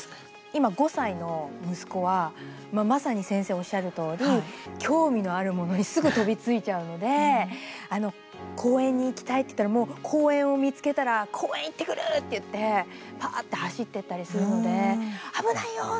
今、５歳の息子はまさに先生おっしゃるとおり興味のあるものにすぐ飛びついちゃうので公園に行きたいっていったら公園行ってくる！って言って走っていったりするので危ないよ！なんて言って。